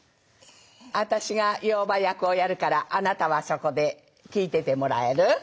私が妖婆役をやるからあなたはそこで聞いててもらえる？